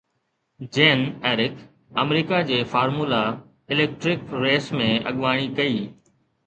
Jean-Éric آمريڪا جي formula electric race ۾ اڳواڻي ڪئي